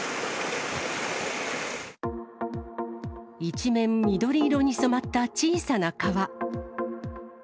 一面緑色に染まった小さな川。